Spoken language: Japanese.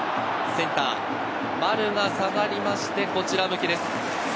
センター・丸が下がってこちら向きです。